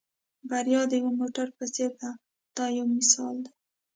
بریا د یو موټر په څېر ده دا یو مثال دی.